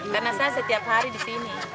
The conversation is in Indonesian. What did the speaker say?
karena saya setiap hari di sini